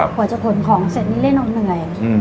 กว่าจะขนของเสร็จนี่เล่นเอาเหนื่อย